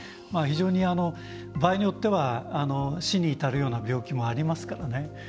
非常に、場合によっては死に至るような病気もありますからね。